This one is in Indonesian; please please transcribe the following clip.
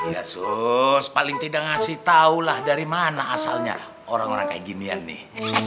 iya sus paling tidak ngasih tau lah dari mana asalnya orang orang kaya ginian nih